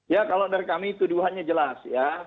ya kalau dari kami tuduhannya jelas ya